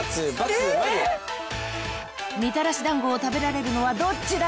［みたらし団子を食べられるのはどっちだ？］